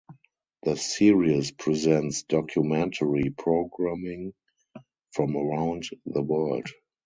The series presents documentary programming from around the world.